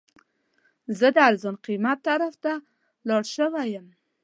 زه د ارزان قیمت طرف ته لاړ شوی یم.